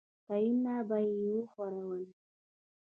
تيونه به يې وښورول.